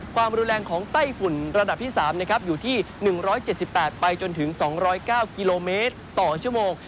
ความรุนแรงของไต้ฝุ่นระดับที่๓อยู่ที่๑๗๘ไปจนถึง๒๐๙กิโลเมตรต่อชั่วโมง